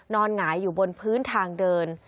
หงายอยู่บนพื้นทางเดิน